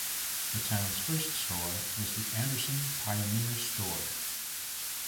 The town's first store was the Anderson Pioneer Store.